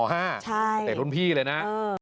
ใช่เออไปเตะรุ่นพี่เลยนะ